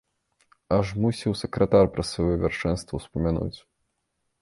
Аж мусіў сакратар пра сваё вяршэнства ўспамянуць.